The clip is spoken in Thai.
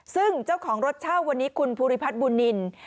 ซึ่งเจ้าของรถเช่าวันนี้คุณภูริพัฒน์บุญนิน